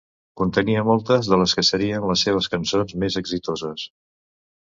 Contenia moltes de les que serien les seves cançons més exitoses.